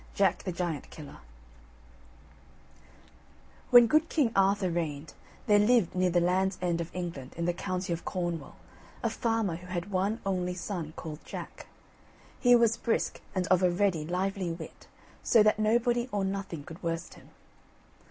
JACK THE GIANT KILLER When good King Arthur reigned, there lived near the Land's End of England, in the county of Cornwall, a farmer who had one only son called Jack. He was brisk and of a ready lively wit, so that nobody or nothing could worst him.